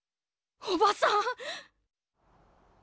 おばさん！？